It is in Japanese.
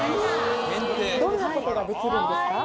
どんなことができるんですか？